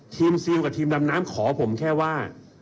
ซิลกับทีมดำน้ำขอผมแค่ว่า